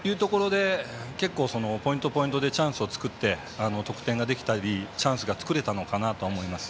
結構、ポイント、ポイントでチャンスを作って得点できたりチャンスが作れたのかなと思います。